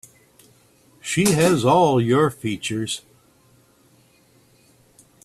She has all your features.